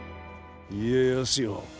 家康よ。